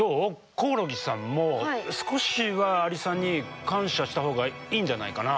コオロギさんも少しはアリさんに感謝したほうがいいんじゃないかな？